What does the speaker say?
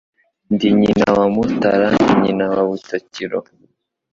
Ndi nyina wa Mutara Ndi nyina wa Butakiro